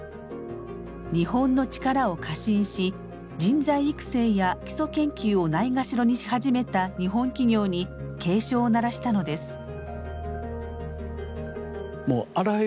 日本の力を過信し人材育成や基礎研究をないがしろにし始めた日本企業に警鐘を鳴らしたのです。